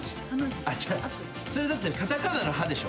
それだってカタカナの「ハ」でしょ？